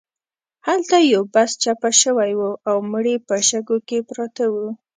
هلته یو بس چپه شوی و او مړي په شګو کې پراته وو.